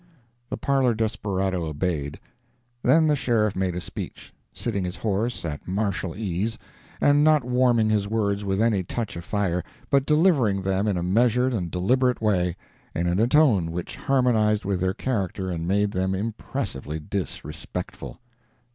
The parlor desperado obeyed. Then the sheriff made a speech; sitting his horse at martial ease, and not warming his words with any touch of fire, but delivering them in a measured and deliberate way, and in a tone which harmonized with their character and made them impressively disrespectful.